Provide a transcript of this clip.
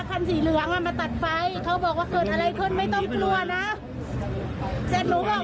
สวยชีวิตทั้งคู่ก็ออกมาไม่ได้อีกเลยครับ